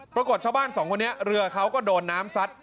ปรากฏชาวบ้านสองคนนี้เรือเขาก็โดนน้ำซัด